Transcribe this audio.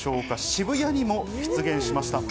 渋谷にも出現しました。